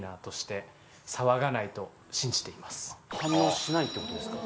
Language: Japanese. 反応しないってことですか